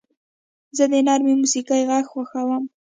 زه د نرم موسیقۍ غږ خوښوم.